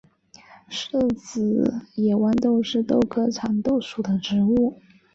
四籽野豌豆是豆科蚕豆属的植物。